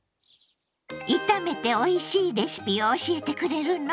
炒めておいしいレシピを教えてくれるの？